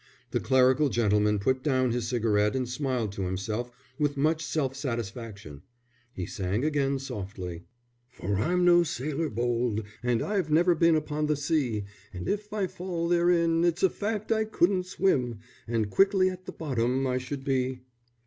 The clerical gentleman put down his cigarette and smiled to himself with much self satisfaction. He sang again softly: "For I'm no sailor bold, And I've never been upon the sea; And if I fall therein, its a fact I couldn't swim, _And quickly at the bottom I should be.